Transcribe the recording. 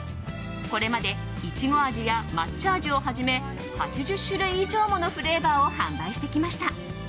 これまでいちご味や抹茶味をはじめ８０種類以上ものフレーバーを販売してきました。